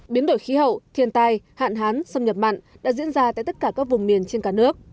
biến đổi khí hậu thiên tai hạn hán xâm nhập mặn đã diễn ra tại tất cả các vùng miền trên cả nước